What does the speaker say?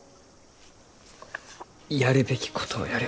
やるべきことをやる。